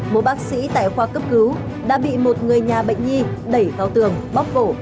một bác sĩ tại khoa cấp cứu đã bị một người nhà bệnh nhi đẩy vào tường bóc cổ